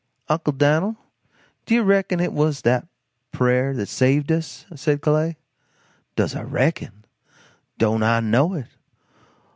"Uncle Dan'l, do you reckon it was the prayer that saved us?" said Clay. "Does I reckon? Don't I know it!